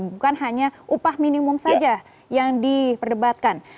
bukan hanya upah minimum saja yang diperdebatkan